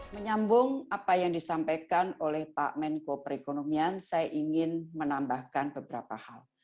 menyambung apa yang disampaikan oleh pak menko perekonomian saya ingin menambahkan beberapa hal